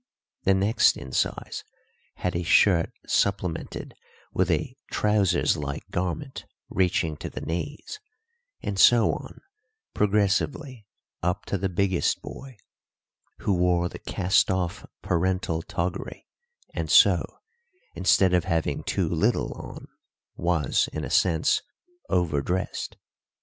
The next in size had a shirt supplemented with a trousers like garment reaching to the knees; and so on, progressively, up to the biggest boy, who wore the cast off parental toggery, and so, instead of having too little on, was, in a sense, overdressed.